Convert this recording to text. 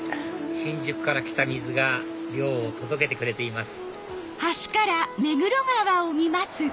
新宿から来た水が涼を届けてくれています